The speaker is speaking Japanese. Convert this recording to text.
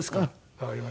わかりました。